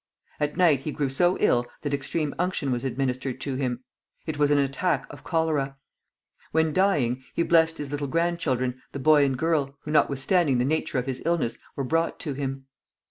At night he grew so ill that extreme unction was administered to him. It was an attack of cholera. When dying, he blessed his little grandchildren, the boy and girl, who, notwithstanding the nature of his illness, were brought to him.